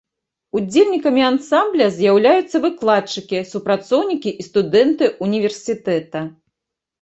Удзельнікамі ансамбля з'яўляюцца выкладчыкі, супрацоўнікі і студэнты ўніверсітэта.